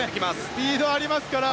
スピードがありますから。